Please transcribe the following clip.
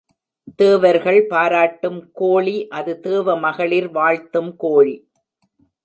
தேவர்கள் பாராட்டும் கோழி அது தேவ மகளிர் வாழ்த்தும் கோழி.